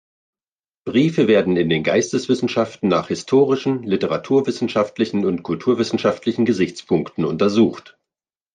Briefe werden in den Geisteswissenschaften nach historischen, literaturwissenschaftlichen und kulturwissenschaftlichen Gesichtspunkten untersucht.